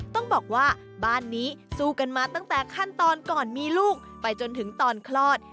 ต้องบอกว่าบ้านนี้สู้กันมาตั้งแต่ขั้นตอนก่อนมีลูกไปจนถึงตอนคลอด